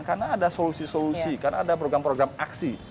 karena ada solusi solusi karena ada program program aksi